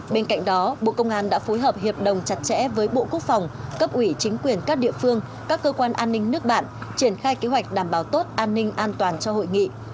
bên cạnh đó bộ công an đã phối hợp hiệp đồng chặt chẽ với bộ quốc phòng cấp ủy chính quyền các địa phương các cơ quan an ninh nước bạn triển khai kế hoạch đảm bảo tốt an ninh an toàn cho hội nghị